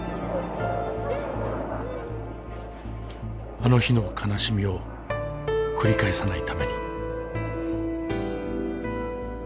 あの日の悲しみを繰り返さないために。